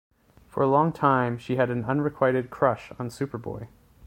For a long time, she had an unrequited crush on Superboy.